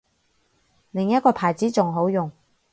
另一個牌子仲好用